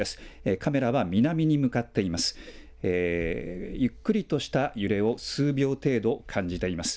カメラは南に向かっています。